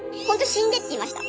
「死んで」って言いました。